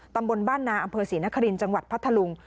ตำบลบ้านนาอำเภอศรีนครินทร์จังหวัดพัทธลุง